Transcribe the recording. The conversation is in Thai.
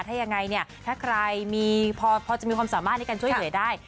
ถ้ายังไงเนี่ยถ้าใครมีพอจะมีความสามารถในการช่วยเหลือได้